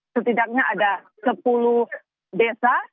setidaknya ada sepuluh desa